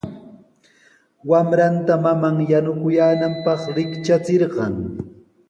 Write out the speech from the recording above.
Wamranta maman yanukuyaananpaq riktrachirqan.